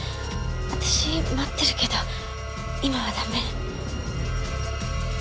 あたし待ってるけど今はダメ。